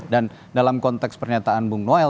dan dalam konteks pernyataan bung noel